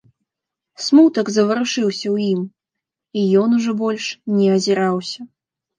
Смутак заварушыўся ў ім, і ён ужо больш не азіраўся.